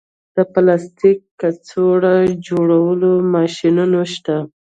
د پلاستیک کڅوړو جوړولو ماشینونه شته